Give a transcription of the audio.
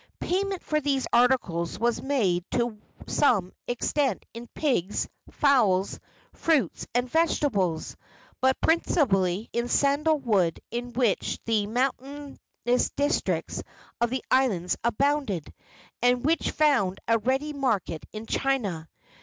Payment for these articles was made to some extent in pigs, fowls, fruits and vegetables, but principally in sandal wood, in which the mountainous districts of the islands abounded, and which found a ready market in China.